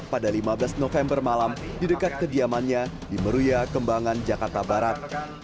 pada lima belas november malam di dekat kediamannya di meruya kembangan jakarta barat